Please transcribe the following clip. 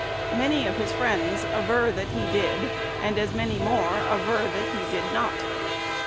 Many of his friends aver that he did, and as many more aver that he did not.